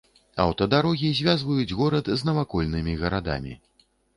Аўтадарогі звязваюць горад з навакольнымі гарадамі.